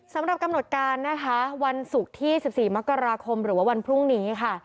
สำหรับกำหนดการนะคะวันศุกร์ที่๑๔มกราคมหรือว่าวันพรุ่งนี้ค่ะ